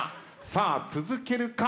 さあ続けるか？